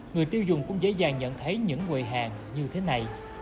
người tiêu dùng cũng dễ dàng nhận thấy những quầy hàng như thế này